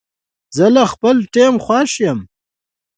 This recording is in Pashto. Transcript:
زه له خپل ټیم خوښ یم.